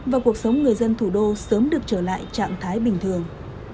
và cuộc sống người dân thủ đô sớm được trở lại trạng thái bình thường